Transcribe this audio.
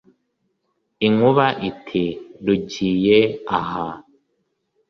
inkuba iti:" rugiye aha.